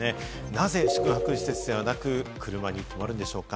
なぜ宿泊施設ではなく、車に泊まるんでしょうか？